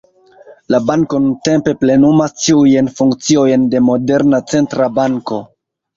La banko nuntempe plenumas ĉiujn funkciojn de moderna centra banko.